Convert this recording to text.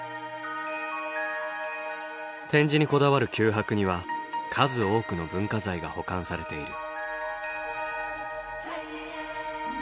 展示にこだわる九博には数多くの文化財が保管されている。